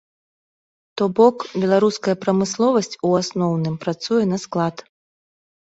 То бок, беларуская прамысловасць у асноўным працуе на склад.